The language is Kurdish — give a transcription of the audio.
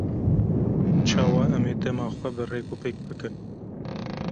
Çawa em ê dema xwe bi rêkûpêk bikin?